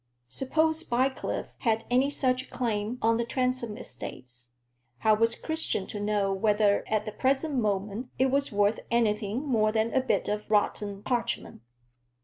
Suppose Bycliffe had any such claim on the Transome estates: how was Christian to know whether at the present moment it was worth anything more than a bit of rotten parchment?